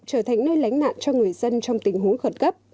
trở thành nơi lánh nạn cho người dân trong tình huống khẩn cấp